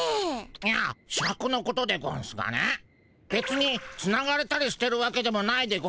いやシャクのことでゴンスがねべつにつながれたりしてるわけでもないでゴンスし